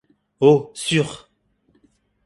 Oh, sûr!